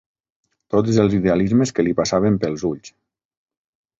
Tots els idealismes que li passaven pels ulls